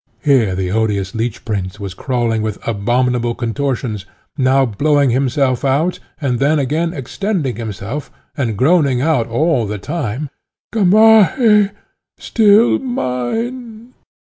Here the odious Leech Prince was crawling with abominable contortions, now blowing himself out, and then again extending himself, and groaning out, all the time, "Gamaheh! Still mine!"